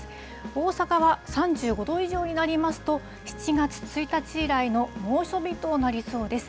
大阪は３５度以上になりますと、７月１日以来の猛暑日となりそうです。